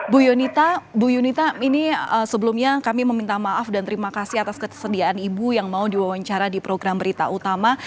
bu yunita bu yunita ini sebelumnya kami meminta maaf dan terima kasih atas ketersediaan ibu yang mau diwawancara di program berita utama